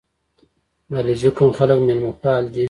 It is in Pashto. • د علیزي قوم خلک میلمهپال دي.